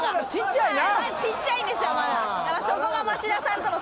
ちっちゃいんですよまだ。